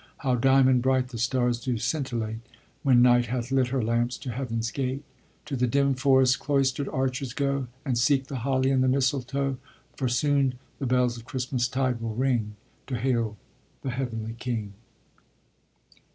How diamond bright the stars do scintillate When Night hath lit her lamps to Heaven's gate. To the dim forest's cloistered arches go, And seek the holly and the mistletoe; For soon the bells of Christmas tide will ring To hail the Heavenly King!